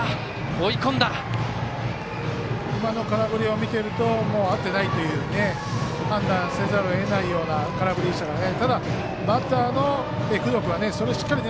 今の空振りを見てると合ってないという判断せざるをえないような空振りでしたからね。